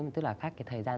tức là khác cái thời gian